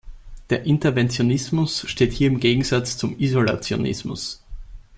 Der Interventionismus steht hier im Gegensatz zum Isolationismus.